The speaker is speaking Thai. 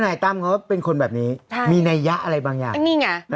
นายตั้มเขาเป็นคนแบบนี้มีนัยยะอะไรบางอย่าง